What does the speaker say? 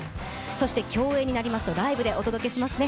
そして競泳になりますとライブでお届けしますね。